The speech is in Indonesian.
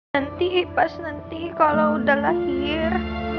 nanti pas nanti kalau udah lahir